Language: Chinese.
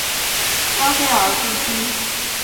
拉斐尔故居。